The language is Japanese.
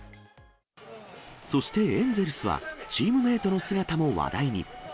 そしてエンゼルスは、チームメートの姿も話題に。